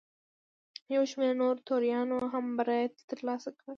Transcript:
یو شمېر نورو توریانو هم برائت ترلاسه کړ.